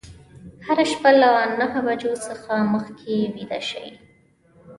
هره شپه له نهه بجو څخه مخکې ویده شئ.